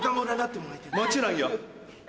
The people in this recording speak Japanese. もちろんよ。